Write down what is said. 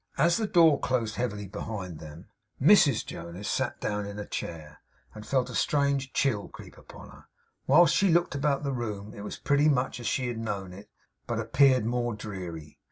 As the door closed heavily behind them, Mrs Jonas sat down in a chair, and felt a strange chill creep upon her, whilst she looked about the room. It was pretty much as she had known it, but appeared more dreary.